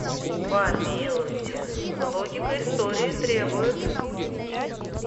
Помилуйте - логика истории требует...